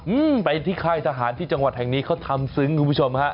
อืมไปที่ค่ายทหารที่จังหวัดแห่งนี้เขาทำซึ้งคุณผู้ชมฮะ